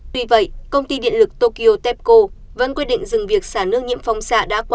tuy vậy công ty điện lực tokyo tepco vẫn quyết định dừng việc xả nước nhiễm phóng xạ đã qua